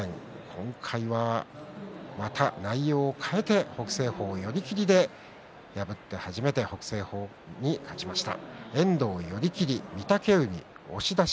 今回はまた内容を変えて北青鵬を寄り切りで破って初めて北青鵬に勝ちました。